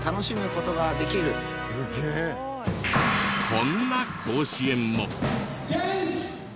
こんな甲子園も。